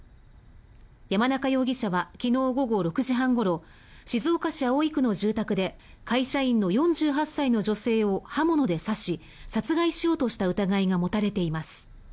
山中容疑者は昨日午後６時半ごろ静岡市葵区の住宅で会社員の４８歳の女性を刃物で刺し、殺害しようとした疑いが持たれています。